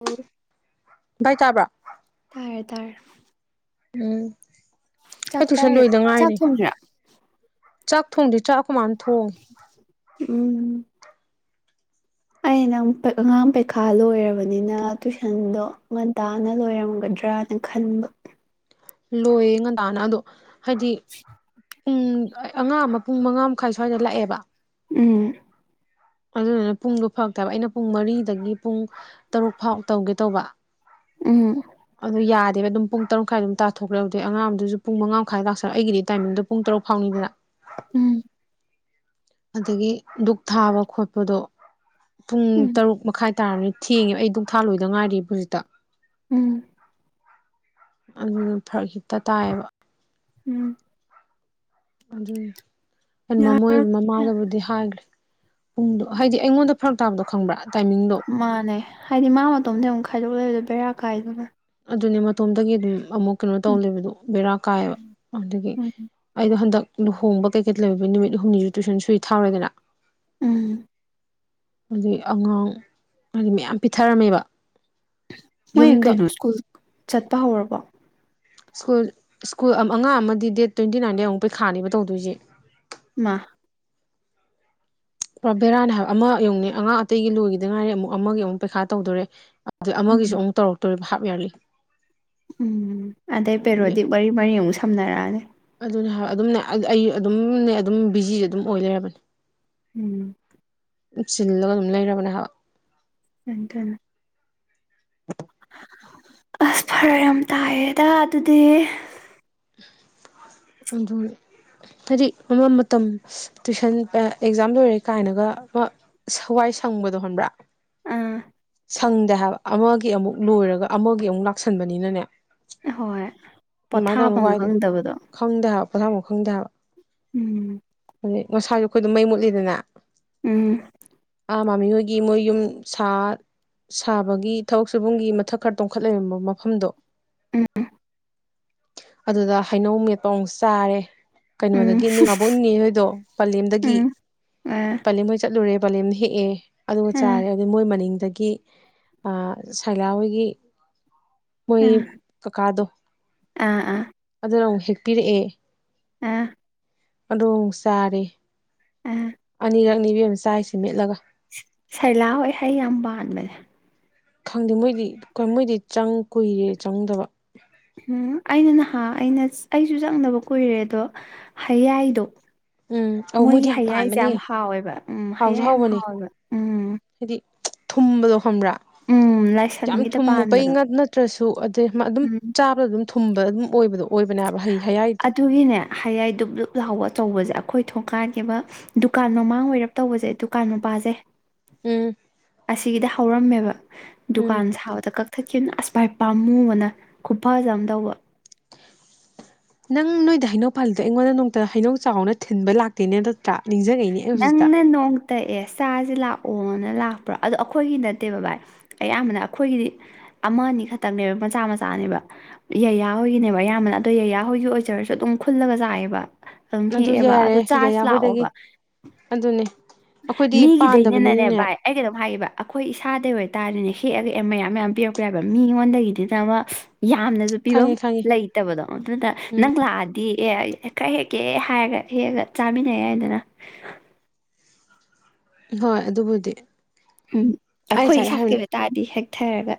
ꯑꯣ ꯚꯥꯏ ꯇꯥꯕ꯭ꯔꯥ ꯇꯥꯔꯦ ꯇꯥꯔꯦ ꯎꯝ ꯑꯩ ꯇꯨꯏꯁꯟ ꯆꯥꯛꯆꯥꯔꯒꯥ ꯂꯣꯏꯗ ꯆꯥꯛ ꯉꯥꯏꯔꯤ ꯊꯣꯡꯕ꯭ꯔꯥ ꯆꯥꯛ ꯊꯣꯡꯗꯦ ꯆꯥꯛ ꯑꯈꯣꯏ ꯃꯅꯥ ꯊꯣꯡꯉꯤ ꯎꯝ ꯑꯩꯅ ꯑꯉꯥꯡ ꯄꯔꯤꯈꯥ ꯂꯣꯏꯔꯕꯅꯤꯅ ꯇꯨꯏꯁꯟꯗꯣ ꯉꯟꯇꯥꯅ ꯂꯣꯏꯔꯝꯒꯗ꯭ꯔꯗꯤ ꯈꯟꯕ ꯂꯣꯏꯌꯦ ꯉꯟꯇꯥꯅ ꯑꯗꯣ ꯍꯥꯏꯗꯤ ꯄꯨꯡ ꯑꯉꯥꯡ ꯑꯃ ꯄꯨꯡ ꯃꯉꯥ ꯃꯈꯥꯏ ꯁ꯭ꯋꯥꯏꯗ ꯂꯥꯛꯑꯦꯕ ꯎꯝ ꯑꯗꯨꯗꯨꯅ ꯄꯨꯡꯗꯣ ꯐꯔꯛꯇꯕ ꯑꯩꯅ ꯄꯨꯡ ꯃꯔꯤꯗꯒꯤ ꯄꯨꯡ ꯇꯔꯨꯛ ꯐꯥꯎ ꯇꯧꯒꯦ ꯇꯧꯕ ꯎꯝ ꯑꯗꯨ ꯌꯥꯗꯦꯕ ꯑꯗꯨꯝ ꯄꯨꯡ ꯇꯔꯨꯛ ꯃꯈꯥꯏ ꯑꯗꯨꯝ ꯇꯥꯊꯣꯛꯈ꯭ꯔꯦ ꯑꯗꯨꯗꯩꯩ ꯑꯉꯥꯡ ꯑꯃꯗꯨꯁꯨ ꯄꯨꯡ ꯝꯉꯥ ꯃꯈꯥꯏ ꯇꯥꯁꯜꯂꯛ ꯑꯩꯒꯤꯗꯤ ꯇꯥꯏꯃꯤꯡꯗꯣ ꯄꯨꯡ ꯇꯔꯨꯛ ꯐꯥꯎꯅꯤꯗꯅ ꯎꯝ ꯑꯗꯨꯒꯤ ꯗꯨꯛ ꯊꯥꯕ ꯈꯣꯠꯄꯗꯣ ꯄꯨꯡ ꯎꯝ ꯇꯔꯨꯛ ꯃꯈꯥꯏ ꯇꯥꯥꯔꯅꯤ ꯊꯦꯡꯉꯦꯕ ꯑꯩ ꯗꯨꯛ ꯊꯥ ꯂꯣꯏꯗ ꯉꯥꯏꯔꯤꯕ ꯍꯧꯖꯤꯛꯇ ꯎꯝ ꯑꯗꯨ ꯐꯔꯛ ꯍꯤꯛꯇ ꯇꯥꯏꯌꯦꯕ ꯎꯝ ꯑꯗꯨꯏ ꯑꯩ ꯌꯥ ꯃꯃꯣꯏ ꯃꯃꯥ ꯃꯣꯏꯗꯗꯤ ꯍꯥꯏꯈ꯭ꯔꯦ ꯄꯨꯡꯗꯣ ꯍꯥꯏꯗꯤ ꯑꯩꯉꯣꯟꯗ ꯐꯔꯛ ꯇꯥꯕꯗꯣ ꯈꯪꯕ꯭ꯔꯥ ꯇꯥꯏꯃꯤꯡꯗꯣ ꯃꯥꯅꯦ ꯍꯥꯏꯗꯤ ꯃꯥ ꯃꯇꯣꯝꯇ ꯑꯃꯨꯛ ꯈꯥꯏꯗꯣꯛꯂꯩꯔꯥ ꯕꯦꯔꯥ ꯀꯥꯏꯗꯅ ꯑꯗꯨꯅꯦ ꯃꯇꯣꯝꯗꯒꯤ ꯑꯗꯨꯝ ꯑꯃꯨꯛ ꯀꯩꯅꯣ ꯎꯝ ꯇꯧꯂꯩꯕꯗꯣ ꯕꯦꯔꯥ ꯀꯥꯏꯌꯦꯕ ꯑꯗꯨꯒꯤ ꯎꯝ ꯑꯩꯗꯣ ꯍꯟꯗꯛ ꯂꯨꯍꯣꯡꯕ ꯀꯩꯀꯩ ꯂꯩꯕ ꯅꯨꯃꯤꯠ ꯍꯨꯝꯅꯤ ꯅꯠꯇꯔꯁꯨ ꯁꯣꯏ ꯊꯥꯎꯔꯦꯗꯅ ꯎꯝ ꯑꯗꯨꯒꯤ ꯑꯉꯥꯡ ꯍꯥꯏꯕꯗꯤ ꯌꯥꯝ ꯄꯤꯊꯔꯝꯃꯦꯕ ꯃꯣꯏ ꯌꯨꯝꯗ ꯀꯩꯅꯣ ꯁꯀꯨꯜ ꯆꯠꯄ ꯍꯧꯔꯕꯣ ꯁ꯭ꯀꯨꯜ ꯁ꯭ꯀꯨꯜ ꯑꯉꯥꯡ ꯑꯃꯗꯤ ꯗꯦꯠ ꯇꯋꯦꯟꯇꯤ ꯅꯥꯏꯟꯗꯩ ꯑꯃꯨꯛ ꯄꯩꯈꯥꯅꯦꯕ ꯇꯧꯗꯣꯏꯁꯦ ꯃꯥ ꯄꯨꯔꯥ ꯕꯦꯔꯥꯅꯦ ꯍꯥꯏꯕ ꯑꯃ ꯌꯦꯡꯉꯨꯅꯦ ꯑꯉꯥꯡ ꯑꯇꯩꯒꯤ ꯂꯣꯏꯈꯤꯗ ꯉꯥꯏꯔꯤ ꯑꯃꯨꯛ ꯑꯃꯒꯤ ꯑꯃꯨꯛ ꯄꯩꯈꯥ ꯇꯧꯗꯣꯔꯦ ꯑꯗꯩ ꯑꯃꯒꯤꯁꯨ ꯎꯝ ꯑꯃꯨꯛ ꯇꯧꯔꯛꯇꯣꯔꯦꯕ ꯍꯥꯞ ꯋꯔꯦ ꯎꯝ ꯑꯗꯩ ꯄꯦꯔꯣꯗꯤ ꯃꯔꯤ ꯃꯔꯤ ꯌꯦꯡꯎꯁꯦ ꯊꯝꯅꯔꯛꯑꯅꯤ ꯑꯗꯨꯅꯦ ꯍꯥꯏꯕ ꯑꯗꯨꯝꯅꯦ ꯑꯩ ꯑꯗꯨꯝꯅꯦ ꯑꯗꯨꯝ ꯕꯤꯖꯤꯁꯦ ꯑꯗꯨꯝ ꯑꯣꯏ ꯂꯩꯔꯕꯅꯦ ꯎꯝ ꯆꯤꯜꯂꯒ ꯑꯗꯨꯝ ꯂꯩꯔꯕꯅꯦ ꯍꯥꯏꯕ ꯑꯗꯨꯅꯦ ꯑꯁ ꯐꯔꯛ ꯌꯥꯝ ꯇꯥꯏꯌꯦꯗ ꯑꯗꯨꯗꯤ ꯑꯗꯨ ꯍꯥꯏꯗꯤ ꯑꯃ ꯃꯇꯝ ꯇꯨꯏꯁꯟ ꯑ ꯑꯦꯛꯖꯥꯝ ꯂꯣꯏꯔꯦ ꯀꯥꯏꯅꯒ ꯑꯃ ꯍꯋꯥꯏ ꯁꯪꯕꯗꯣ ꯍꯣꯟꯕ꯭ꯔꯥ ꯑ ꯁꯪꯗꯦ ꯍꯥꯏꯕ ꯑꯃꯒꯤ ꯑꯃꯨꯛ ꯂꯣꯏꯔꯒ ꯑꯃꯒꯤ ꯑꯃꯨꯛ ꯂꯥꯛꯁꯟꯕꯅꯤꯅꯅꯦ ꯍꯣꯏ ꯄꯣꯊꯥꯐꯝ ꯈꯪꯗꯕꯗꯣ ꯄꯣꯊꯥ ꯐꯝ ꯈꯪꯗꯦꯍꯥꯏꯕ ꯎꯝ ꯉꯥꯁꯥꯏꯁꯨ ꯑꯩꯈꯣꯏꯗꯨ ꯃꯩ ꯃꯨꯠꯂꯤꯗꯅ ꯎꯝ ꯑ ꯃꯃꯤꯍꯣꯏꯒꯤ ꯃꯣꯏ ꯌꯨꯝ ꯁꯥꯠ ꯁꯥꯕꯒꯤ ꯊꯕꯛ ꯁꯨꯕꯝꯒꯤ ꯃꯊꯛ ꯈꯔ ꯇꯣꯡꯈꯠ ꯂꯩꯔꯝꯕ ꯃꯐꯝꯗꯣ ꯎꯝ ꯑꯗꯨꯗ ꯍꯩꯅꯧ ꯃꯦꯠꯄꯧ ꯑꯃꯨꯛ ꯆꯥꯔꯦ ꯎꯝ ꯀꯩꯅꯣꯗꯒꯤ ꯅꯣꯏ ꯃꯍꯣꯛ ꯅꯦꯍꯣꯏꯗꯣ ꯄꯂꯦꯝꯗꯒꯤ ꯎꯝ ꯑꯥ ꯄꯂꯦꯝ ꯍꯣꯏ ꯆꯠꯂꯨꯔꯦ ꯄꯂꯦꯝꯅ ꯍꯦꯛꯑꯦ ꯑꯗꯨꯒ ꯑꯥ ꯆꯥꯔꯦ ꯑꯗꯨ ꯃꯣꯏ ꯃꯅꯤꯡ ꯒꯤ ꯑ ꯁꯥꯏꯒꯔꯥ ꯍꯣꯏꯒꯤ ꯃꯣꯏ ꯑꯥ ꯀꯥꯀꯥꯗꯣ ꯑꯥ ꯑꯥ ꯑꯗꯨꯅ ꯑꯃꯨꯛ ꯍꯦꯛ ꯄꯤꯔꯛꯑꯦ ꯑꯥ ꯑꯗꯣ ꯑꯃꯨꯛ ꯆꯥꯔꯦ ꯑꯥ ꯏꯔꯛꯅꯤ ꯕꯦꯝꯃ ꯆꯥꯏꯁꯤ ꯃꯦꯠꯂꯒ ꯁꯩꯂꯥ ꯍꯣꯏ ꯍꯩ ꯌꯥꯝ ꯄꯥꯟꯕꯅꯦ ꯈꯪꯗꯦ ꯃꯣꯏꯗꯤ ꯃꯣꯏꯗꯤ ꯆꯪ ꯀꯨꯏꯔꯦ ꯆꯪꯗꯕ ꯎꯝ ꯑꯩꯅ ꯅꯍꯥꯟ ꯑꯩꯅ ꯑꯩꯁꯨ ꯆꯪꯗꯕ ꯀꯨꯏꯔꯦ ꯑꯗꯣ ꯍꯩꯌꯥꯏꯗꯣ ꯎꯝ ꯑꯧ ꯃꯣꯏꯗꯤ ꯃꯣꯏꯒꯤ ꯌꯥꯝ ꯍꯌꯥꯏꯁꯦ ꯄꯥꯟꯕꯅꯦ ꯌꯥꯝ ꯍꯥꯎꯋꯦꯕ ꯎꯝ ꯍꯥꯎꯁꯨ ꯍꯌꯥꯏ ꯌꯥꯝ ꯍꯥꯎꯕꯅꯦ ꯍꯥꯎꯋꯦꯕ ꯎꯝ ꯍꯥꯏꯗꯤ ꯊꯨꯝꯕꯗꯣ ꯈꯪꯕ꯭ꯔꯥ ꯎꯝ ꯌꯥꯝ ꯂꯥꯏꯁꯪꯒꯤꯗ ꯊꯨꯝꯃꯨꯄꯩ ꯄꯥꯟꯕꯗꯣ ꯉꯛ ꯅꯠꯇ꯭ꯔꯁꯨ ꯑꯗꯩ ꯑꯗꯨꯝ ꯎꯝ ꯆꯥꯕ ꯑꯗꯨꯝ ꯊꯨꯝꯕ ꯑꯗꯨꯝ ꯑꯣꯏꯕꯗꯣ ꯑꯣꯏꯕꯅꯦꯕ ꯍꯩ ꯍꯌꯥꯏꯗꯣ ꯑꯗꯨꯒꯤꯅꯦ ꯍꯌꯥꯏ ꯗꯨꯛ ꯂꯨꯞ ꯂꯥꯎꯕ ꯑꯆꯧꯕꯁꯦ ꯑꯩꯈꯣꯏ ꯊꯣꯡꯀꯥꯒꯤꯕ ꯗꯨꯀꯥꯟ ꯃꯃꯥꯡ ꯑꯣꯏꯔꯞ ꯇꯧꯕꯁꯦ ꯗꯨꯀꯥꯟ ꯃꯄꯥꯖꯦ ꯎꯝ ꯑꯁꯤꯒꯤꯗꯤ ꯍꯧꯔꯝꯃꯦꯕ ꯎꯝ ꯗꯨꯀꯥꯟ ꯁꯥꯕꯗ ꯀꯛꯊꯠ ꯈꯤꯅ ꯑꯁ ꯚꯥꯏ ꯄꯥꯝꯃꯨꯕꯅ ꯈꯨꯐꯖ ꯑꯃ ꯇꯧꯕ ꯅꯪ ꯅꯣꯏꯗ ꯍꯩꯅꯧ ꯄꯥꯜꯂꯤꯗꯣ ꯑꯩꯉꯣꯟꯗ ꯅꯣꯡꯇ ꯍꯩꯅꯧ ꯆꯥꯎꯅ ꯊꯤꯟꯕ ꯂꯥꯛꯇꯦꯅꯦ ꯑꯗꯣ ꯇ ꯅꯤꯡꯖꯔꯩꯅꯦ ꯑꯩ ꯍꯧꯖꯤꯛꯇ ꯇꯛꯑꯦ ꯆꯥꯖꯦ ꯂꯥꯛꯑꯣꯅ ꯂꯥꯛꯄ꯭ꯔꯥ ꯑꯗꯣ ꯑꯩꯈꯣꯏꯒꯤ ꯅꯠꯇꯦꯕ ꯚꯥꯏ ꯑꯌꯥꯝꯕꯅ ꯑꯩꯈꯣꯏꯒꯤꯗꯤ ꯑꯃ ꯑꯅꯤ ꯈꯛꯇꯛꯅꯦꯕ ꯃꯆꯥ ꯃꯆꯥꯅꯦꯕ ꯌꯩꯌꯥꯍꯣꯏꯒꯤꯅꯦꯕ ꯑꯌꯥꯝꯕꯅ ꯑꯗꯣ ꯌꯩꯌꯥꯍꯣꯏꯒꯤ ꯑꯣꯏꯖꯔꯁꯨ ꯑꯗꯨꯝ ꯈꯨꯜꯂꯒ ꯆꯥꯏꯌꯦꯕ ꯑꯗꯨꯝ ꯍꯦꯛꯑꯦꯕ ꯑꯗꯨ ꯌꯥꯔꯦ ꯆꯥꯔꯁꯤ ꯌꯥꯌꯥ ꯍꯣꯏꯗꯒꯤ ꯂꯥꯛꯑꯣꯕ ꯑꯗꯨꯅꯦ ꯑꯩꯈꯣꯏꯗꯤ ꯃꯤꯒꯤꯗꯩꯅꯅꯦꯅ ꯄꯥꯟꯗꯕꯅꯤꯅꯅꯦ ꯚꯥꯏ ꯑꯩ ꯀꯩꯅꯣꯝ ꯍꯥꯏꯒꯦꯕ ꯑꯩꯈꯣꯏ ꯏꯁꯥꯗꯩ ꯑꯣꯏꯇꯥꯔꯦꯅꯦ ꯍꯦꯛꯑꯒ ꯑꯦ ꯃꯌꯥꯝ ꯃꯌꯥꯝ ꯄꯤꯔꯛꯄ ꯌꯥꯏꯕ ꯃꯤꯉꯣꯟꯗꯒꯤꯗꯤ ꯅ ꯑꯃ ꯌꯥꯝꯅꯁꯨ ꯄꯤꯕꯝ ꯈꯪꯉꯦ ꯈꯪꯉꯦ ꯂꯩꯇꯕꯗꯣ ꯑꯗꯨꯗ ꯎꯝ ꯅꯪ ꯂꯥꯛꯑꯗꯤ ꯑꯦ ꯈꯔ ꯍꯦꯛꯀꯦ ꯍꯥꯏꯔꯒ ꯍꯦꯛꯒ ꯆꯥꯃꯤꯟꯅ ꯌꯥꯏꯗꯅ ꯍꯣꯏ ꯑꯗꯨꯕꯨꯗꯤ ꯎꯝ ꯑꯩ ꯑꯩꯈꯣꯏ ꯉꯁꯥꯏꯗ ꯏꯁꯥꯀꯤ ꯍꯥꯏꯕꯅꯦ ꯑꯣꯏ ꯇꯥꯔꯗꯤ ꯍꯦꯛꯊꯔꯒ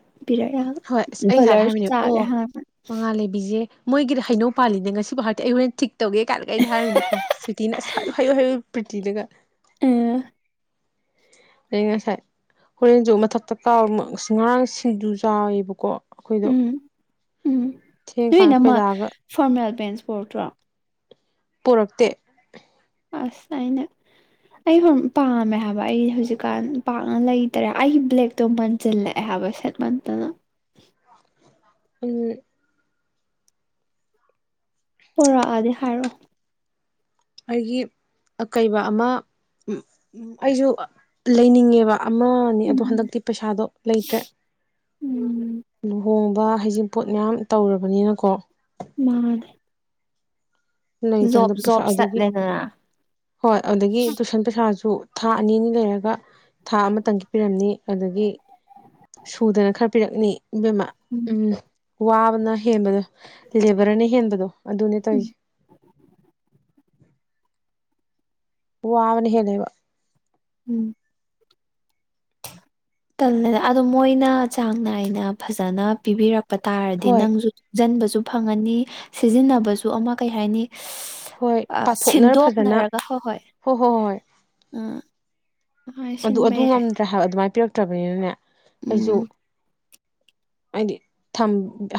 ꯍꯣꯏ ꯑꯁ ꯄꯤꯔꯛꯌꯥꯕ ꯑꯩ ꯉꯁꯥꯏꯗ ꯗꯣꯂꯔꯁꯨ ꯍꯥꯏꯕꯅꯦꯕ ꯑꯣ ꯆꯥꯒꯦ ꯍꯥꯏꯔꯛꯄꯅꯤ ꯃꯉꯥꯜꯂꯩꯕꯤꯁꯦ ꯃꯣꯏꯒꯤꯗ ꯍꯩꯅꯧ ꯄꯥꯜꯂꯤꯅꯦ ꯉꯁꯤ ꯕꯧ ꯍꯥꯏꯔꯛꯇꯦ ꯑꯩ ꯍꯣꯔꯦꯟ ꯊꯤꯛ ꯇꯧꯒꯦ ꯀꯥꯏꯂꯒ ꯑꯩꯗꯤ ꯍꯥꯏꯔꯝꯅꯤꯀꯣ ꯁꯨꯇꯤ ꯅ ꯑꯁ ꯍꯥꯏꯌꯨ ꯍꯥꯏꯌꯨ ꯍꯥꯏꯌꯨ ꯌꯨ ꯄꯔꯤꯇꯤꯗꯒ ꯑꯩꯃꯥ ꯑꯩ ꯉꯁꯥꯏ ꯍꯣꯔꯦꯟꯖꯨ ꯃꯊꯛꯇ ꯀꯥꯎꯃ ꯉꯔꯥꯡ ꯁꯤꯡꯖꯨ ꯆꯥꯋꯦꯕꯀꯣ ꯎꯝ ꯎꯝ ꯅꯣꯏ ꯊꯦꯡꯀꯥꯟ ꯏꯅꯝꯃ ꯑꯩꯈꯣꯏꯗꯥꯒ ꯐꯣꯔꯃꯦꯜ ꯄꯦꯟꯁ ꯄꯣꯔꯛꯇ꯭ꯔꯣ ꯄꯣꯔꯛꯇꯦ ꯑꯁ ꯑꯩꯅ ꯑꯩ ꯄꯥꯝꯃꯦ ꯍꯥꯏꯕ ꯑꯩ ꯍꯧꯖꯤꯛꯀꯥꯟ ꯄꯥꯛꯅ ꯂꯩꯇꯔꯦ ꯑꯩꯒꯤ ꯕ꯭ꯂꯦꯛꯇꯣ ꯃꯟꯖꯤꯜꯂꯛꯑꯦ ꯍꯥꯏꯕ ꯁꯦꯠꯃꯟꯇꯅ ꯎꯝ ꯄꯣꯔꯛꯑꯗꯤ ꯍꯥꯏꯔꯛꯑꯣ ꯑꯩꯒꯤ ꯑꯀꯩꯕ ꯑꯃ ꯑꯩꯖꯤ ꯂꯩꯅꯤꯡꯉꯦꯕ ꯑꯃ ꯑꯅꯤ ꯑꯗꯣ ꯎꯝ ꯍꯟꯗꯛꯇꯤ ꯄꯩꯁꯥꯗꯣ ꯂꯩꯇ꯭ꯔꯦ ꯎꯝ ꯂꯨꯍꯣꯡ ꯕ ꯍꯩꯖꯤꯡ ꯄꯣꯠ ꯃꯌꯥꯝ ꯇꯧꯔꯕꯅꯤꯅꯀꯣ ꯃꯥꯅꯦ ꯂꯩꯇ꯭ꯔꯦ ꯖꯣꯞ ꯍꯟꯗꯛ ꯄꯩꯁꯥ ꯖꯣꯞ ꯑꯗꯒꯤ ꯆꯠꯂꯦꯗꯅ ꯍꯣꯏ ꯑꯗꯒꯤ ꯇꯨꯏꯁꯟ ꯄꯩꯁꯥꯁꯨ ꯊꯥ ꯑꯅꯤ ꯑꯅꯤ ꯂꯩꯔꯒ ꯊꯥ ꯑꯃꯇꯪꯒꯤ ꯄꯤꯔꯝꯅꯤ ꯑꯗꯒꯤ ꯁꯨꯗꯅ ꯈꯔ ꯄꯤꯔꯛꯅꯤ ꯏꯕꯦꯝꯃꯥ ꯎꯝ ꯋꯥꯕꯅ ꯍꯦꯟꯕꯗꯣ ꯂꯦꯕꯔꯅ ꯍꯦꯟꯕꯗꯣ ꯑꯗꯨꯅꯦ ꯎꯝ ꯇꯧꯏꯖꯦ ꯋꯥꯕꯅ ꯍꯦꯜꯂꯦꯕ ꯎꯝ ꯇꯜꯂꯦꯗꯥ ꯑꯗꯣ ꯃꯣꯏꯅ ꯆꯥꯡ ꯅꯥꯏꯅ ꯐꯖꯅ ꯄꯤꯕꯤꯔꯛ ꯄ ꯇꯥꯔꯗꯤ ꯍꯣꯏ ꯅꯪꯁꯨ ꯇꯨꯡꯖꯟꯕ ꯁꯨ ꯐꯪꯉꯅꯤ ꯁꯤꯖꯤꯟꯅꯕꯁꯨ ꯑꯃ ꯀꯩ ꯍꯥꯏꯅꯤ ꯍꯣꯏ ꯄꯥꯊꯣꯛꯅꯔ ꯐꯖꯅ ꯁꯤꯟꯗꯣꯛꯅꯔꯒ ꯍꯣꯏ ꯍꯣꯏ ꯍꯣꯏ ꯍꯣꯏ ꯎꯝ ꯍꯣꯏ ꯑꯗꯨ ꯁꯤꯟꯕ ꯑꯗꯨ ꯌꯥꯏ ꯉꯝꯗ꯭ꯔꯦ ꯍꯥꯏꯕ ꯑꯗꯨꯃꯥꯏꯅ ꯄꯤꯔꯛꯇ꯭ꯔꯕꯅꯤꯅꯅꯦ ꯑꯩꯁꯨ ꯎꯝ ꯍꯥꯏꯗꯤ ꯊꯝ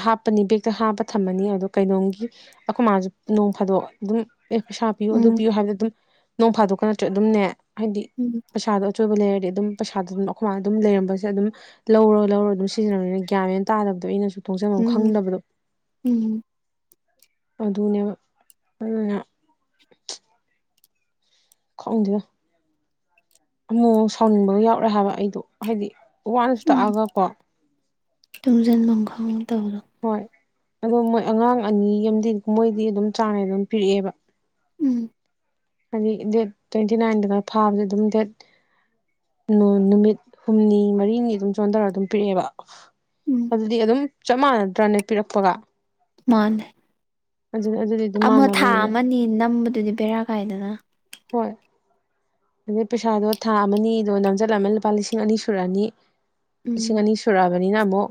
ꯍꯥꯞꯄꯅꯤ ꯕꯦꯛꯇ ꯍꯥꯞꯄ ꯊꯝꯃꯅꯤ ꯑꯣ ꯀꯩꯅꯣꯝꯒꯤ ꯑꯩꯈꯣꯏ ꯃꯥꯁꯨ ꯅꯣꯡ ꯐꯥꯗꯣꯛ ꯑꯗꯨꯝ ꯑꯦ ꯄꯩꯁꯥꯥ ꯄꯤꯌꯣ ꯑꯗꯨ ꯎꯝ ꯄꯤꯌꯣ ꯍꯥꯏꯕꯗ ꯑꯗꯨꯝ ꯅꯣꯡ ꯐꯥꯗꯣꯛꯀ ꯅꯠꯇ꯭ꯔꯦ ꯑꯗꯨꯝꯅꯦ ꯍꯥꯏꯗꯤ ꯎꯝ ꯄꯩꯁꯥꯗꯣ ꯑꯆꯣꯏꯕ ꯂꯩꯔꯗꯤ ꯑꯗꯨꯝ ꯄꯩꯁꯥꯗꯣ ꯑꯗꯨꯝ ꯑꯩꯈꯣꯏ ꯃꯥꯅ ꯑꯗꯨꯝꯔꯝꯕꯁꯦ ꯑꯗꯨꯝ ꯂꯧꯔ ꯂꯧꯔ ꯑꯗꯨꯝ ꯁꯤꯖꯤꯟꯅꯔꯕꯅꯤꯅ ꯒ꯭ꯌꯥꯟꯅꯦꯅ ꯇꯥꯗꯕꯗꯣ ꯑꯩꯅꯁꯨ ꯇꯨꯡꯖꯟꯕꯝ ꯎꯝ ꯈꯪꯗꯕꯗꯨ ꯑꯗꯨ ꯎꯝ ꯑꯗꯨꯅ‌ꯦꯕꯥ ꯑꯗꯨꯅ ꯈꯥꯎꯗꯣ ꯑꯃꯨꯃꯨꯛ ꯁꯥꯎꯅꯤꯡꯕ ꯌꯥꯎꯔꯛꯑꯦ ꯍꯥꯏꯕ ꯑꯩꯗꯣ ꯍꯥꯏꯗꯤ ꯋꯥꯟꯁ ꯇꯛꯑꯒꯀꯣ ꯇꯨꯡꯖꯦꯜꯕꯝ ꯈꯪꯉ ꯇꯧꯔꯣ ꯍꯣꯏ ꯑꯗꯣ ꯃꯣꯏ ꯑꯉꯥꯡ ꯑꯅꯤ ꯑꯃꯗꯤ ꯃꯣꯏꯗꯤ ꯑꯗꯨꯝ ꯆꯥꯡꯅꯩ ꯑꯗꯨꯝ ꯄꯤꯔꯛꯑꯦꯕ ꯎꯝ ꯍꯥꯏꯗꯤ ꯗꯦꯠ ꯇ꯭ꯋꯦꯟꯇꯤ ꯅꯥꯏꯟꯗꯒ ꯐꯥꯕꯁ ꯑꯗꯨꯝ ꯗꯦꯠ ꯅꯨꯃꯤꯠ ꯍꯨꯝꯅꯤ ꯃꯔꯤꯅꯤ ꯑꯗꯨꯝ ꯆꯣꯟꯊꯔꯒ ꯑꯗꯨꯝ ꯄꯤꯔꯛꯑꯦꯕ ꯎꯝ ꯑꯗꯨꯗꯤ ꯑꯗꯨꯝ ꯆꯞ ꯃꯥꯟꯅꯗ꯭ꯔꯅꯦ ꯄꯤꯔꯛꯄꯒ ꯃꯥꯥꯟꯅꯦ ꯑꯗꯨꯅ ꯑꯗꯨꯗꯤ ꯑꯗꯨꯝ ꯑꯃ ꯊꯥ ꯃꯥꯟꯅꯕꯅꯤꯅ ꯑꯃꯅꯤ ꯅꯝꯕ ꯑꯗꯨꯗꯤ ꯕꯦꯔꯥ ꯀꯥꯏꯗꯅ ꯍꯣꯏ ꯑꯗꯨꯗꯩ ꯄꯩꯁꯥꯗꯣ ꯊꯥ ꯑꯃꯅꯤ ꯗꯣ ꯅꯝꯖꯜꯂꯝꯃ ꯂꯨꯄꯥ ꯂꯤꯁꯤꯡ ꯑꯅꯤ ꯁꯨꯔꯛꯑꯅꯤ ꯎꯝ ꯂꯤꯁꯤꯡ ꯑꯅꯤ ꯁꯨꯔꯥ ꯃꯅꯤꯅ ꯑꯃꯨꯛ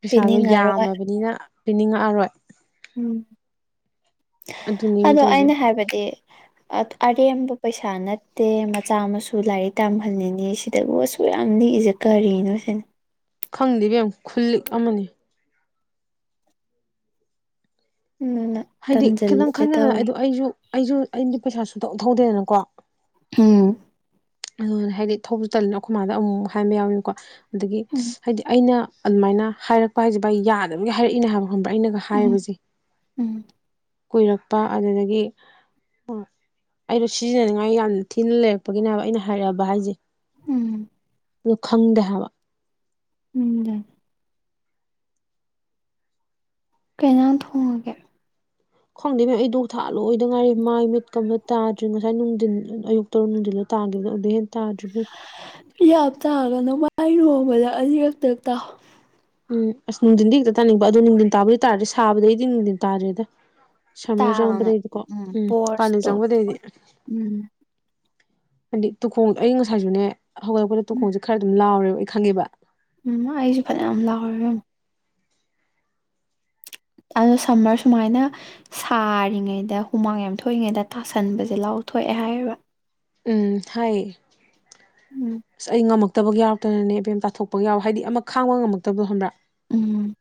ꯄꯩꯁꯥꯗꯣ ꯄꯤꯅꯤꯡꯉꯔꯣꯏ ꯌꯥꯝꯃꯕꯅꯤꯅ ꯄꯤꯅꯤꯡꯉꯛꯑꯔꯣꯏ ꯎꯝ ꯑꯗꯨꯅꯤ ꯃꯤ ꯑꯗꯣ ꯇꯧꯔꯤꯁꯦ ꯑꯩꯅ ꯍꯥꯏꯕꯗꯤ ꯑꯔꯦꯝꯕ ꯄꯩꯁꯥ ꯅꯠꯇꯦ ꯃꯆꯥ ꯃꯁꯨ ꯂꯥꯏꯔꯤꯛ ꯇꯝꯍꯟꯅꯤꯡꯅꯤ ꯁꯤꯗꯕꯨ ꯑꯁꯨꯛ ꯌꯥꯝ ꯅꯤꯛꯏꯁꯦ ꯀꯔꯤꯅꯣ ꯁꯤꯅꯤ ꯈꯪꯗꯦꯕꯦꯝ ꯈꯨꯜꯂꯤꯛ ꯑꯃꯅꯤ ꯑꯗꯨꯅ ꯍꯥꯏꯗꯤ ꯈꯤꯇꯪ ꯇꯟꯖꯜꯂꯛꯑꯦ ꯈꯟꯗꯅ ꯇꯧꯔꯤ ꯑꯗꯣ ꯑꯩꯁꯨ ꯑꯩꯁꯨ ꯅꯥꯪꯗꯤ ꯄꯩꯁꯥꯁꯨꯧ ꯊꯧꯗꯦꯗꯅꯀꯣ ꯎꯝ ꯎꯝ ꯍꯥꯏꯗꯤ ꯊꯧꯕꯁꯨ ꯇꯂꯅ ꯑꯩꯈꯣꯏ ꯃꯥꯗ ꯑꯃꯨꯛ ꯍꯥꯏꯕ ꯌꯥꯎꯏꯅꯤꯀꯣ ꯑꯗꯒꯤ ꯎꯝ ꯍꯥꯏꯗꯤ ꯑꯩꯅ ꯑꯗꯨꯃꯥꯏꯅ ꯑꯩꯅꯒ ꯎꯝ ꯍꯥꯏꯕ ꯎꯝ ꯀꯨꯏꯔꯛꯄ ꯑꯗꯨꯗꯒꯤ ꯑꯩꯗꯣ ꯁꯤꯖꯤꯟꯅꯅꯤꯡꯉꯥꯏ ꯌꯥꯝ ꯊꯤꯅ ꯂꯩꯔꯛꯄꯒꯤꯅꯦꯕ ꯑꯩꯅ ꯍꯥꯏꯔꯦꯕ ꯍꯥꯏꯖꯦ ꯎꯝ ꯈꯪꯗꯦ ꯍꯥꯏꯕ ꯎꯝꯗ ꯀꯩꯅ ꯊꯣꯡꯉꯒꯦ ꯈꯪꯗꯦ ꯃꯦꯝ ꯑꯩꯗꯣꯛ ꯊꯥ ꯂꯣꯏꯗ ꯉꯥꯏꯔꯤꯦ ꯃꯥꯏ ꯃꯤꯠꯀꯕ ꯇꯥꯗ꯭ꯔꯤ ꯉꯁꯥꯏ ꯅꯨꯡꯊꯤꯟ ꯑꯌꯨꯛ ꯇꯔꯨꯛ ꯅꯨꯡꯊꯜꯂꯣ ꯇꯥꯈꯤꯕꯗꯣ ꯑꯗꯨꯗ ꯍꯦꯟ ꯇꯥꯗ꯭ꯔꯤꯕ ꯏ ꯇꯥꯑꯒ ꯅ ꯋꯥꯥꯏꯔꯨꯕꯗ ꯑꯅꯤꯔꯛꯇ ꯇꯥꯎ ꯎꯝ ꯑꯁ ꯅꯨꯡꯊꯤꯟꯗꯤ ꯍꯦꯛꯇ ꯇꯥꯅꯤꯡꯕ ꯑꯗꯨꯣ ꯅꯨꯡꯊꯤꯟ ꯇꯥꯕꯗꯤ ꯇꯥꯔꯗꯤ ꯁꯥꯕꯗꯩꯗꯤ ꯅꯨꯡꯊꯤꯟ ꯇꯥꯔꯦꯗ ꯁꯝꯃꯔ ꯇꯥꯒꯅꯣ ꯆꯪꯕꯗꯩꯗꯤꯀꯣ ꯎꯝ ꯀꯥꯂꯦꯟ ꯄꯣꯔꯁꯇꯣ ꯆꯪꯕꯗꯩꯗꯤ ꯎꯝ ꯍꯥꯏꯗꯤ ꯇꯨꯈꯣꯡꯗ ꯑꯩ ꯉꯁꯥꯏꯁꯨꯅꯦ ꯍꯧꯒꯠꯂꯄꯗꯨꯣꯡꯁꯦ ꯈꯔ ꯑꯗꯨꯝ ꯂꯥꯎꯔꯦꯕ ꯍꯣꯏ ꯈꯪꯉꯦꯕ ꯎꯝ ꯑꯩꯁꯨ ꯐꯅꯌꯥꯝ ꯂꯥꯎꯔ ꯑꯗꯣ ꯁꯝꯃꯔ ꯁꯨꯃꯥꯏꯅ ꯁꯥꯔꯤꯉꯩꯗ ꯍꯨꯃꯥꯡ ꯌꯥꯝ ꯊꯣꯛꯏꯉꯩꯗ ꯇꯥꯁꯟꯕꯁꯦ ꯂꯥꯎꯊꯣꯛꯑꯦ ꯍꯥꯏꯌꯦꯕ ꯎꯝ ꯍꯥꯏ ꯎꯝ ꯑꯩ ꯉꯝꯃ ꯐꯠꯇꯕ ꯌꯥꯎꯗꯅꯅꯦ ꯑꯦꯕꯦꯝ ꯇꯥꯊꯣꯛꯄꯒ ꯌꯥꯎꯔꯦ ꯍꯥꯏꯗꯤ ꯑꯃ ꯈꯥꯡꯕ ꯉꯃꯛꯇꯕꯣ ꯈꯣꯟꯕ꯭ꯔꯥ ꯎꯝ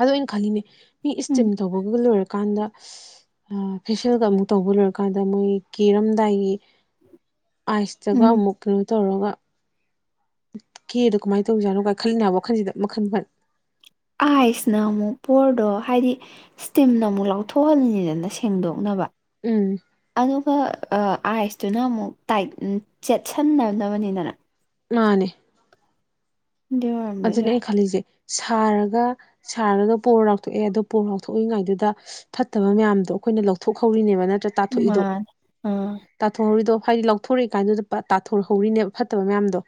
ꯑꯗꯨ ꯑꯣꯏꯅ ꯈꯜꯂꯤꯅꯦ ꯃꯤ ꯎꯝ ꯏꯁꯇꯤꯝ ꯇꯧꯕꯒ ꯂꯣꯏꯔꯛ ꯀꯀꯥꯟꯗ ꯐꯦꯁꯤꯌꯦꯦꯜꯒ ꯑꯃꯨꯛ ꯇꯧꯕ ꯂꯣꯏꯔꯀꯥꯟꯗ ꯃꯣꯏ ꯀꯤꯔꯝꯗꯥꯏꯒꯤ ꯎꯝ ꯑꯁꯇꯒꯃꯨꯛ ꯇꯧꯔꯒ ꯀꯦꯗꯣ ꯀꯃꯥꯏꯅ ꯇꯧꯖꯥꯠꯅꯣ ꯀꯥꯏ ꯈꯜꯂꯤꯅꯦ ꯋꯥꯈꯜꯁꯤꯗ ꯃꯈꯟ ꯃꯈꯜ ꯑꯥꯏꯁꯅ ꯑꯃꯨꯛ ꯄꯣꯔꯗꯣ ꯍꯥꯏꯗꯤ ꯏꯁꯇꯤꯝꯅ ꯑꯃꯨꯛ ꯂꯥꯎꯊꯣꯛꯍꯜꯂꯤꯅꯤꯗꯅ ꯁꯦꯡꯗꯣꯛꯅꯕ ꯎꯝ ꯑꯕ ꯑ ꯑꯥꯏꯁꯇꯨꯅ ꯑꯃꯨꯛ ꯇꯥꯏꯠ ꯆꯦꯠꯁꯟꯅꯅꯕꯅꯤꯗꯅ ꯃꯥꯅꯦ ꯑꯗꯨꯏ ꯑ ꯑꯣꯏꯔꯝꯕꯁꯨ ꯌꯥꯏ ꯅ ꯈꯂꯤꯁꯦ ꯁꯥꯔꯒ ꯁꯥꯔꯒꯅ ꯄꯣꯔ ꯂꯥꯎꯊꯣꯛꯑꯦ ꯑꯗꯣ ꯄꯣꯔ ꯂꯥꯎꯊꯣꯛꯏꯉꯥꯏꯗꯨꯗ ꯐꯠꯇꯕ ꯃꯌꯥꯝꯗꯣ ꯑꯩꯈꯣꯏꯅ ꯂꯧꯊꯣꯛꯍꯧꯔꯤꯅꯦꯕ ꯅꯠꯇ꯭ꯔ ꯇꯥꯊꯣꯛꯏꯗꯣ ꯃꯥꯅꯦ ꯑꯥ ꯇꯥꯊꯣꯛꯍꯧꯔꯤꯗꯣ ꯍꯥꯏꯗꯤ ꯂꯧꯊꯣꯔꯛꯏ ꯀꯥꯟꯗꯨꯗ ꯇꯥꯊꯣꯔꯛꯍꯧꯔꯤꯅꯦꯕ ꯐꯠꯇꯕ ꯃꯌꯥꯝꯗꯣ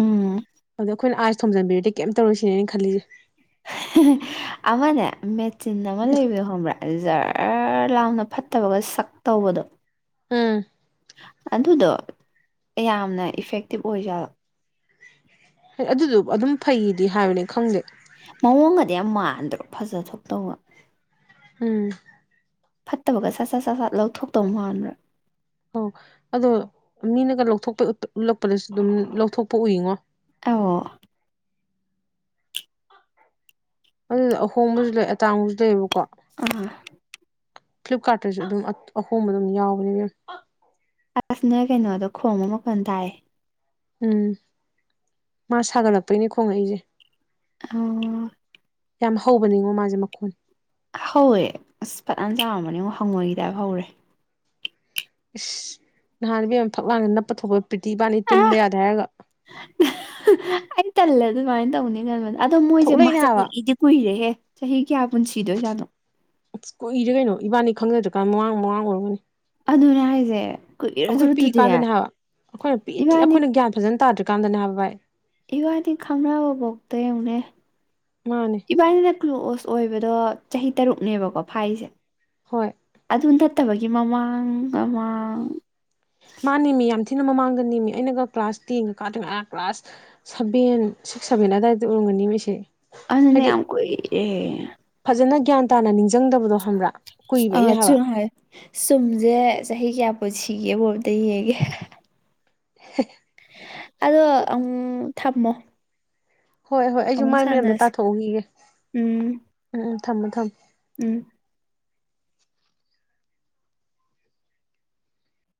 ꯎꯝ ꯑꯣꯗꯣꯏ ꯑꯁ ꯊꯣꯝꯖꯟꯕꯤꯔꯗꯤ ꯀꯩꯝ ꯇꯧꯔꯨꯁꯤꯅꯦꯅ ꯈꯜꯂꯤꯁꯦ ꯑꯃꯅꯦ ꯆꯤꯟ ꯑꯃ ꯂꯩꯕꯗꯨ ꯈꯣꯟꯕ꯭ꯔꯥ꯫ ꯖꯥꯔ ꯂꯥꯎꯅ ꯐꯠꯇꯕꯒ ꯁꯛ ꯇꯧꯕꯗꯣ꯫ ꯎꯝ꯫ ꯑꯗꯨꯗꯣ ꯌꯥꯝꯅ ꯏꯐꯦꯛꯇꯤꯚ ꯑꯣꯏꯖꯥꯂꯣ꯫ ꯑꯗꯨꯗꯣ ꯑꯗꯨꯝ ꯐꯩꯗꯤ ꯍꯥꯏꯕꯅꯤ ꯈꯪꯗꯦ꯫ ꯃꯑꯣꯡꯒꯗꯤ ꯌꯥꯝ ꯃꯥꯟꯗꯕꯥ ꯐꯖꯊꯣꯛꯇꯧꯕ꯫ ꯎꯝ ꯐꯠꯇꯕꯒ ꯁꯠ ꯁꯠ ꯁꯠ ꯁꯠ ꯂꯧꯊꯣꯛꯇꯧ ꯃꯥꯟꯕ꯭ꯔꯥ꯫ ꯑꯣ ꯑꯗꯣ ꯃꯤꯅꯒ ꯂꯧꯊꯣꯛꯄ ꯎꯠꯂꯛꯄꯗꯁꯨ ꯑꯗꯨꯝ ꯂꯧꯊꯣꯛꯄ ꯎꯏꯉꯣ꯫ ꯑ꯫ ꯑꯗꯨꯗ ꯑꯍꯣꯡꯕꯁꯨ ꯂꯩ ꯑꯇꯥꯡꯕꯁꯨ ꯂꯩꯌꯦꯕꯀꯣ꯫ ꯑ꯫ ꯐ꯭ꯂꯤꯞꯀꯥꯔꯠꯇꯁꯨ ꯑꯗꯨꯝ ꯑꯍꯣꯡꯕ ꯑꯗꯨꯝ ꯌꯥꯎꯕꯅꯦ ꯃꯦꯝ꯫ ꯑꯥꯁꯅ ꯀꯩꯅꯣꯗꯣ ꯈꯣꯡꯕ ꯃꯈꯣꯟ ꯇꯥꯏꯑ꯫ ꯎꯝ ꯃꯥ ꯁꯥꯒꯠꯂꯛꯄꯩꯅꯦ ꯈꯣꯡꯉꯛ ꯑꯩꯁꯦ꯫ ꯑꯣ꯫ ꯌꯥꯝ ꯍꯧꯕꯅꯤꯉꯣ ꯃꯥꯁꯦ ꯃꯈꯣꯟ꯫ ꯍꯧꯑꯦ ꯑꯁ ꯐꯥꯅꯤꯌꯝ ꯆꯥꯎꯥꯔꯝꯕꯅꯦ ꯑꯃꯨꯛ ꯍꯪꯉꯣꯏꯈꯤꯗꯥꯕ ꯍꯧꯔꯦ꯫ ꯏꯁꯁ ꯅꯍꯥꯟꯅꯕꯤ ꯌꯥꯝ ꯊꯛꯂꯥꯡꯅ ꯅꯞꯄ ꯊꯣꯛꯄ ꯄꯤꯇꯤ ꯏꯕꯅꯤ ꯑꯥ ꯇꯨꯝꯕ ꯌꯥꯗ ꯍꯥꯏꯔꯒ꯫ ꯑꯗꯨꯉꯥꯏ ꯇꯧꯅꯤ ꯑꯗꯣ ꯃꯣꯏꯁꯦ ꯊꯣꯛꯂꯛꯏꯅꯦ ꯃꯥꯁꯦ ꯍꯥꯏꯕ ꯀꯨꯏꯗꯤ ꯀꯨꯏꯔꯦꯍꯦ꯫ ꯆꯍꯤ ꯀꯌꯥ ꯄꯨꯟꯁꯤꯗꯣꯏꯖꯥꯠꯅꯣ꯫ ꯑꯁ ꯀꯨꯏꯔꯦ ꯀꯩꯅꯣ ꯏꯕꯥꯅꯤ ꯈꯪꯅꯗ꯭ꯔꯀꯥꯟꯗ ꯃꯃꯥꯡ ꯃꯃꯥꯡ ꯑꯣꯏꯔꯝꯒꯅꯤ ꯑꯗꯨꯅꯦ ꯍꯥꯏꯁꯦ ꯑꯩꯈꯣꯏ ꯀꯨꯏꯔꯗ꯭ꯔꯠꯇꯨꯗꯤ ꯄꯤꯛꯏꯀꯥꯟꯗꯅꯦ ꯍꯥꯏꯕ ꯏꯕꯥꯅꯤ ꯀꯥꯟꯗꯅ ꯍꯥꯏꯕꯏ ꯏꯕꯥꯏꯅꯤ ꯈꯪꯅꯕꯐꯧꯗ ꯌꯦꯡꯨꯅꯦ ꯃꯥꯅꯦ ꯏꯕꯥꯏꯅꯤꯗ ꯂꯣꯛꯑꯣꯁ ꯑꯣꯏꯕꯗꯣ ꯆꯍꯤ ꯇꯔꯨꯛꯅꯦꯕꯀꯣ ꯐꯥꯏꯁꯦ ꯍꯣꯏ ꯑꯗꯨꯗ ꯐꯠꯇꯕꯒꯤ ꯃꯃꯥꯡ ꯃꯃꯥꯡ ꯃꯥꯅꯤ ꯃꯤ ꯌꯥꯝ ꯁꯤꯅ ꯃꯃꯥꯡꯗ ꯅꯦꯃꯤ ꯑꯩꯅꯒ ꯀ꯭ꯂꯥꯁ ꯇꯦꯟꯒ ꯀꯥꯗ꯭ꯔꯤꯉ ꯀ꯭ꯂꯥꯁ ꯁꯕꯦꯟ ꯁꯤꯛꯁ ꯁꯕꯦꯟ ꯑꯗꯨꯋꯥꯏꯗ ꯎꯔꯝꯒꯅꯤꯃꯤꯁꯦ ꯑꯗꯨꯅꯦ ꯌꯥꯝꯝ ꯀꯣꯏ ꯑꯦ ꯐꯖꯅ ꯒ꯭ꯌꯥꯟ ꯇꯥꯅ ꯅꯤꯡꯁꯤꯡꯗꯕꯗꯣ ꯍꯪꯕ꯭ꯔꯥ ꯑ ꯆꯨꯝ ꯍꯣꯏ ꯁꯨꯝꯁꯦ ꯆꯍꯤ ꯀꯌꯥ ꯑꯩꯈ ꯁꯤꯒꯦꯕꯨ ꯑꯇ ꯌꯦꯡꯒꯦ ꯍꯦ ꯑꯗꯣ ꯑꯪ ꯊꯝꯃꯣ꯫ ꯍꯣꯏ ꯍꯣꯏ ꯑꯩꯁꯨ ꯑꯃꯨꯛ ꯃꯥꯏ ꯑꯝꯇ ꯁꯥꯟꯅꯁꯤ ꯇꯥꯊꯣꯛꯎꯈꯤꯒꯦ ꯎꯝ ꯎꯝ ꯎꯝ꯫ ꯊꯝꯃꯦ- ꯊꯝꯃꯦ꯫ ꯎꯝ꯫